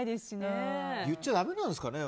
言っちゃだめなんですかね。